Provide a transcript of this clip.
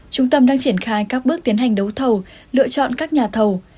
trung tâm đang triển khai các bước tiến hành đấu thầu lựa chọn các nhà thầu